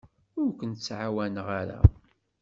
Ur kent-ttɛawaneɣ ara.